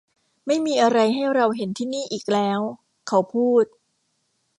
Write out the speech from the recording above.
ไม่มีอะไรให้เราเห็นที่นี่อีกแล้วเขาพูด